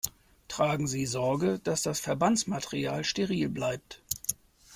Tragen Sie Sorge, dass das Verbandsmaterial steril bleibt.